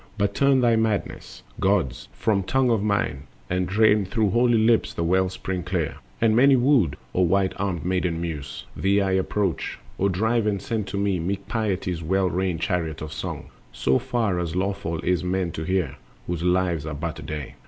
But turn their madness, Gods! from tongue of mine, And drain through holy lips the well spring clear! And many wooed, O white armed Maiden Muse, Thee I approach: O drive and send to me Meek Piety's well reined chariot of song, So far as lawful is for men to hear, Whose lives are but a day.